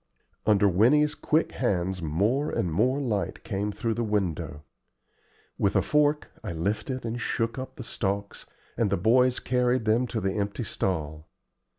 Under Winnie's quick hands more and more light came through the window. With a fork I lifted and shook up the stalks, and the boys carried them to the empty stall.